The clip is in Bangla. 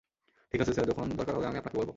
ঠিক আছে স্যার, যখন দরকার হবে আমি আপনাকে বলব।